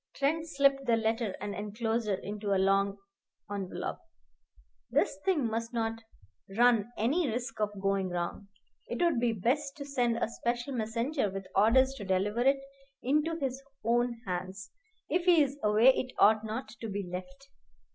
Trent slipped the letter and enclosure into a long envelop. "This thing mustn't run any risk of going wrong. It would be best to send a special messenger with orders to deliver it into his own hands. If he's away it oughtn't to be left."